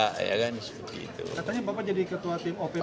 katanya bapak jadi ketua tim opp dari komersas